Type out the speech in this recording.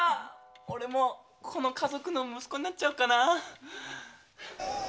俺もこの家族の息子になっちゃおうかなぁ！